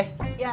bentar ya pak